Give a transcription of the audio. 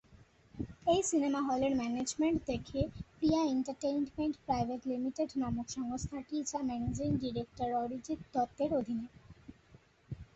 এই সিনেমা হলের ম্যানেজমেন্ট দেখে প্রিয়া এন্টারটেইনমেন্ট প্রাইভেট লিমিটেড নামক সংস্থাটি যা ম্যানেজিং ডিরেক্টর অরিজিৎ দত্ত-এর অধীনে।